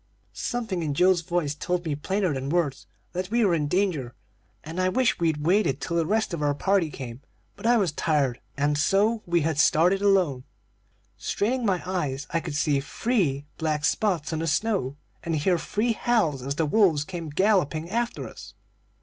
"Something in Joe's voice told me plainer than words that we were in danger, and I wished we'd waited till the rest of our party came; but I was tired, and so we had started alone. "Straining my eyes, I could see three black spots on the snow, and hear three howls as the wolves came galloping after us.